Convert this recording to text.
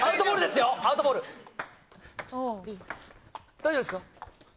大丈夫ですか？